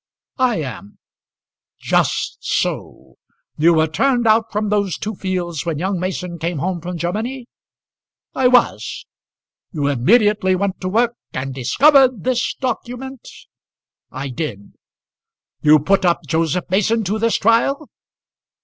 "I am." "Just so. You were turned out from those two fields when young Mason came home from Germany?" "I was." "You immediately went to work and discovered this document?" "I did." "You put up Joseph Mason to this trial?"